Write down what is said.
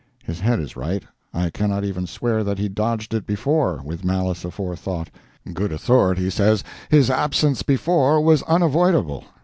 [His head is right. I cannot even swear that he dodged it before, with malice aforethought. Good authority says his absence before was unavoidable.